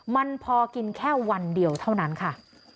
มันพอกินแค่วันเดียวเท่านั้นค่ะ